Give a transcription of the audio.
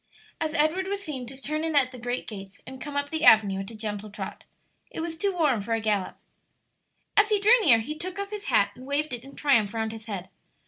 as Edward was seen to turn in at the great gates and come up the avenue at a gentle trot. It was too warm for a gallop. As he drew near he took off his hat and waved it in triumph round his head.